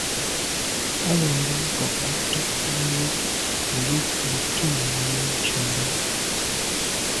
À lo mbe nkôg à to’ nelo’ yub ntum yi ntshundà.